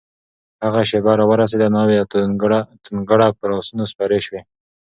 هغه شېبه راورسېده؛ ناوې او ټونګره پر آسونو سپرې شوې